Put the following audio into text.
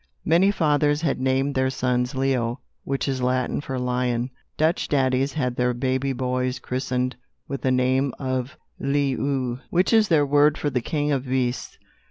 Many fathers had named their sons Leo, which is Latin for lion. Dutch daddies had their baby boys christened with the name of Leeuw, which is their word for the king of beasts.